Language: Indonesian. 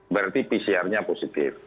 berarti pcr nya positif